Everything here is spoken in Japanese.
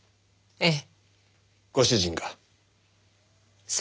ええ。